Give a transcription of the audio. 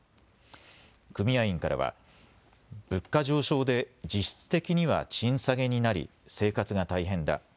組合員からは物価上昇で実質的には賃下げになり生活が大変だ。